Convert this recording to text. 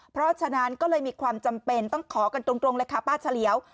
เพราะฉะนั้นก็เลยมีความจำเป็นต้องขอกันตรงเลยค่ะป้าเฉลียว